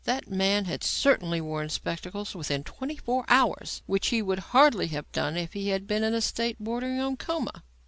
That man had certainly worn spectacles within twenty four hours, which he would hardly have done if he had been in a state bordering on coma.